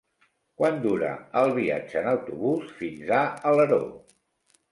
Quant dura el viatge en autobús fins a Alaró?